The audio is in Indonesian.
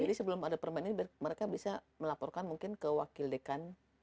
jadi sebelum ada permainan ini mereka bisa melaporkan mungkin ke wakil dekan